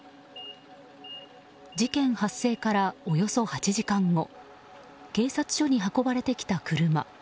事件発生からおよそ８時間後警察署に運ばれてきた車。